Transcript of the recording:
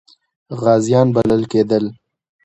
غازیان بلل کېدل.